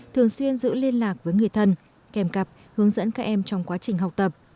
thường xuyên giữ liên lạc với người thân kèm cặp hướng dẫn các em trong quá trình học tập